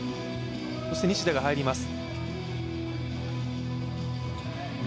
そして西田が入ります。